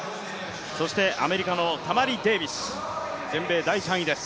アメリカのタマリ・デービス、全米第３位です。